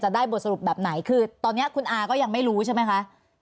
ได้บทสรุปแบบไหนคือตอนนี้คุณอาก็ยังไม่รู้ใช่ไหมคะ